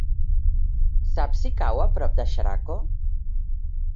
Saps si cau a prop de Xeraco?